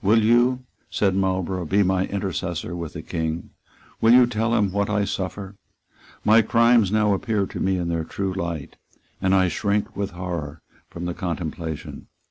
"Will you," said Marlborough, "be my intercessor with the King? Will you tell him what I suffer? My crimes now appear to me in their true light; and I shrink with horror from the contemplation.